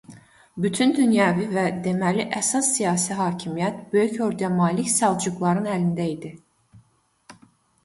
Bütün dünyəvi və deməli əsas siyasi hakimiyət böyük orduya malik Səlcuqluların əlində idi.